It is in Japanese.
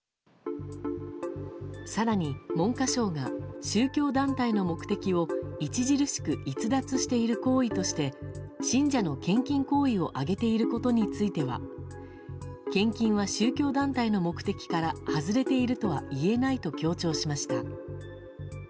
更に、文科省が宗教団体の目的を著しく逸脱している行為として信者の献金行為を挙げていることについては献金は宗教団体の目的から外れているとは言えないと強調しました。